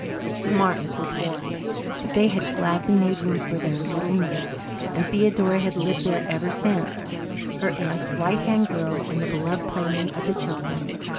The Martins were poor, but they had gladly made room for their little niece, and Theodora had lived there ever since, her aunt's right hand girl and the beloved playmate of the children.